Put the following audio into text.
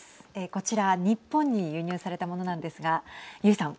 こちら日本に輸入されたものなんですが油井さん。